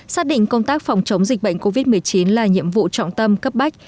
xác định công tác phòng chống dịch bệnh covid một mươi chín là nhiệm vụ trọng tâm cấp bách